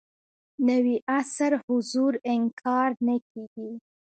نوي عصر حضور انکار نه کېږي.